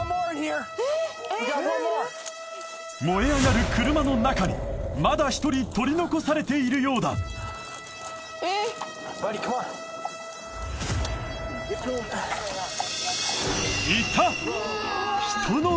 燃え上がる車の中にまだ１人とり残されているようだいた！